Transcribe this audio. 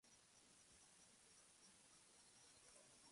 Se enferma rápidamente y muestra los primeros signos de una afectación mental.